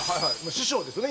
師匠ですよね